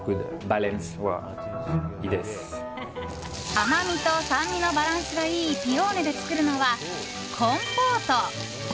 甘みと酸味のバランスがいいピオーネで作るのはコンポート。